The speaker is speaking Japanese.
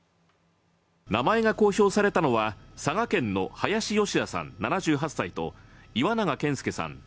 名前が公表されたのは佐賀県の林善也さん７８歳と、岩永健介さん